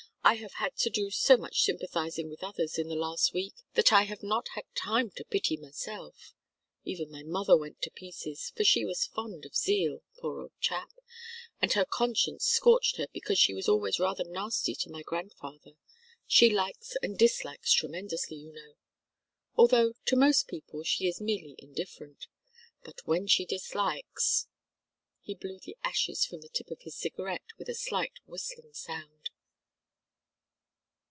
I have had to do so much sympathizing with others in the last week that I have not had time to pity myself. Even my mother went to pieces, for she was fond of Zeal, poor old chap, and her conscience scorched her because she was always rather nasty to my grandfather she likes and dislikes tremendously, you know; although to most people she is merely indifferent. But when she dislikes " He blew the ashes from the tip of his cigarette with a slight whistling sound.